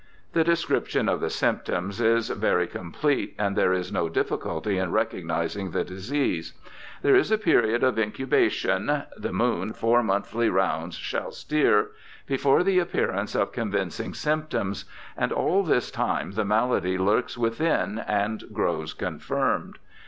The description of the symptoms is very complete, and there is no difficulty in recognizing the disease. There is a period of incubation—' the moon four monthly rounds shall steer '—before the appearance of convincing symptoms, and all this time the malady lurks within and grows confirmed.